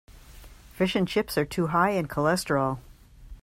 Fish and chips are too high in cholesterol.